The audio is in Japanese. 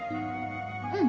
うん。